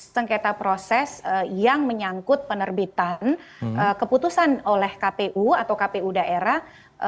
sengketa proses yang menyangkut penerbitan keputusan oleh kpu atau kpu daerah